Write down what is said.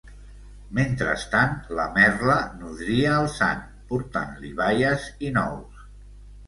Mentrestant, la merla nodria el sant, portant-li baies i nous.